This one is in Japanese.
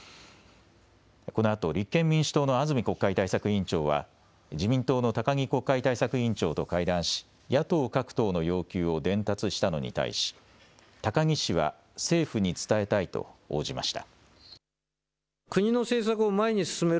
このあと立憲民主党の安住国会対策委員長は自民党の高木国会対策委員長と会談し野党各党の要求を伝達したのに対し、高木氏は政府に伝えたいと応じました。